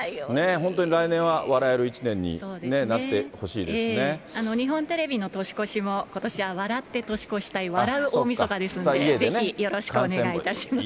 本当に来年は、笑える一年に日本テレビの年越しも、ことしは、笑って年越したい笑う大みそかですので、ぜひよろしくお願いしま